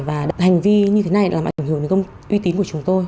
và hành vi như thế này làm ảnh hưởng đến công ty uy tín của chúng tôi